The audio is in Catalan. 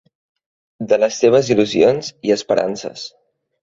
De les seves il·lusions i esperances.